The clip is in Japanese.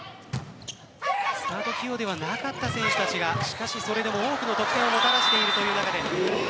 スタート起用ではなかった選手たちがそれでも多くの得点をもたらしているという中で。